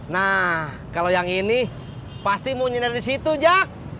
nah kalau yang ini pasti mau nyiner disitu jack